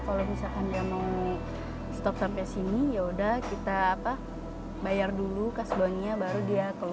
kalau misalkan dia mau stop sampai sini ya udah kita bayar dulu kas bonenya baru dia ke sini